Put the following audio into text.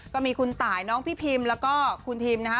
ก็มีคุณตายน้องพี่พิมแล้วก็คุณทิมนะฮะ